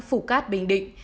phủ cát bình định